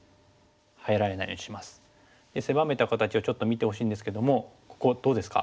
狭めた形をちょっと見てほしいんですけどもここどうですか？